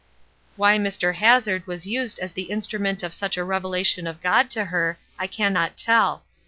Why Mr. Hazard was used as the instrument of such a revelation of God to her I can not tell.